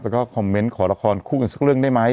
แล้วก็คอมเมนต์ขอละครคู่กันสักเรื่องได้ไหม